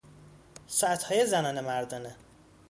ساعتهای زنانه - مردانه